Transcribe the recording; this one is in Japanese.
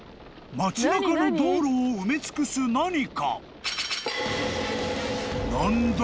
［町中の道路を埋め尽くす何か］